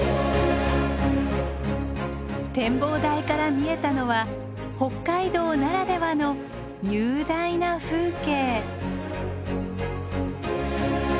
展望台から見えたのは北海道ならではの雄大な風景。